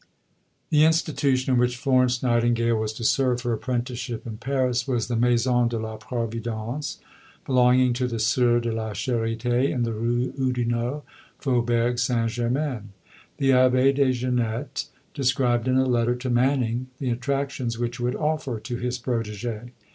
The institution in which Florence Nightingale was to serve her apprenticeship in Paris was the Maison de la Providence, belonging to the S[oe]urs de la Charité in the Rue Oudinot (No. 5), Faubourg St. Germain. The Abbé Des Genettes described in a letter to Manning the attractions which it would offer to his protegée.